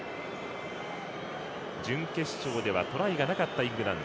準決勝ではトライがなかったイングランド。